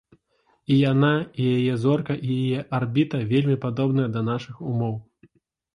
І яна, і яе зорка, і яе арбіта вельмі падобныя да нашых умоў.